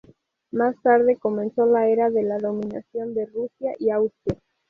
Más tarde comenzó la era de la dominación de Rusia y Austria.